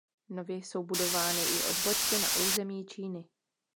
Nově jsou budovány i odbočky na území Číny.